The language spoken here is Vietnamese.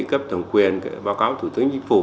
cấp thổng quyền báo cáo thủ tướng chính phủ